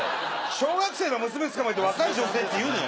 小学生の娘つかまえて若い女性って言うなよ。